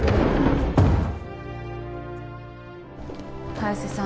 早瀬さん